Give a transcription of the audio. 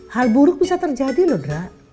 hal buruk bisa terjadi lodra